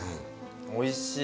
おいしい。